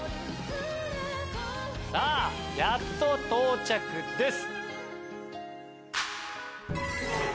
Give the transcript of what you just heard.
さぁやっと到着です。